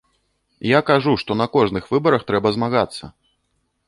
Я кажу, што на кожных выбарах трэба змагацца.